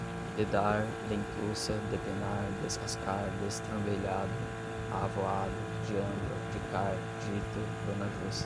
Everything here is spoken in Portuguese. dedar, dentuça, depenar, descascar, destrambelhado, avoado, diamba, dicar, dita, dona justa